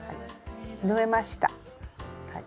縫えました。